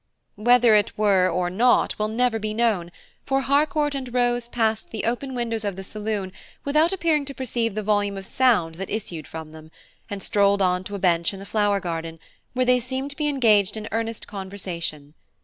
Whether it were or not will never be known, for Harcourt and Rose passed the open windows of the saloon without appearing to perceive the volume of sound that issued from them, and strolled on to a bench in the flower garden, where they seemed to be engaged in earnest conversation.